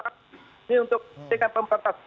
ini untuk kepentingan pemerintah